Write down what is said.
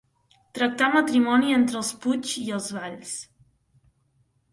Tractar matrimoni entre els Puig i els Valls.